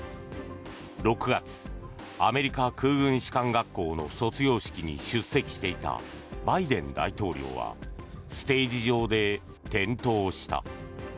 ６月アメリカ空軍士官学校の卒業式に出席していたバイデン大統領はステージ上で転倒した。